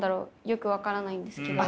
よく分からないんですけど。